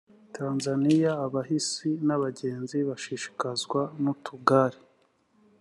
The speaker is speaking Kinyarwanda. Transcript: tanzaniya abahisi n abagenzi bashishikazwa n utugare